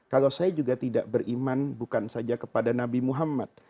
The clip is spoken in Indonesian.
kalau saya juga tidak beriman bukan saja kepada nabi muhammad